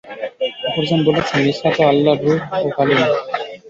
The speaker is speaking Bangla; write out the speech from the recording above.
অপরজন বলছেন, ঈসা তো আল্লাহর রূহ্ ও কালিমাহ্।